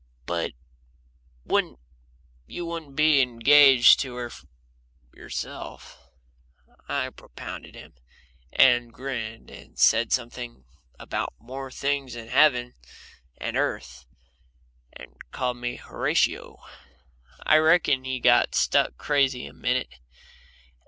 "But you wouldn't be engaged to her yourself," I propounded to him; and he grinned, and said something about more things in heaven and earth, and called me Horatio. I reckon he got struck crazy a minute.